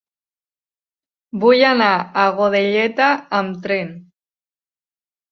Vull anar a Godelleta amb tren.